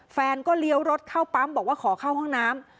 แฟนก็เลี้ยวรถเข้าปั๊มบอกว่าขอเข้าห้องน้ำ